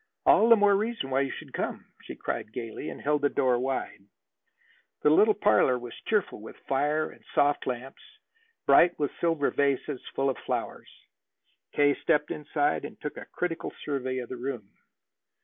"All the more reason why you should come," she cried gayly, and held the door wide. The little parlor was cheerful with fire and soft lamps, bright with silver vases full of flowers. K. stepped inside and took a critical survey of the room.